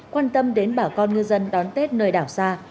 quan tâm đến bà con ngư dân đón tết nơi đảo xa